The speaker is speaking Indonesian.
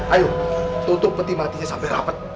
ayo tutup peti matinya sampai rapat